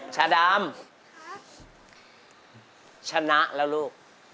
ชาดำชนะแล้วลูก